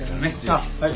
あっはい。